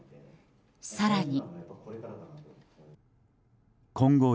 更に。